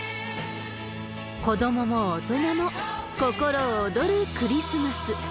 子どもも大人も、心躍るクリスマス。